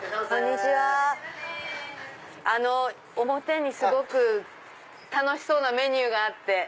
表にすごく楽しそうなメニューがあって。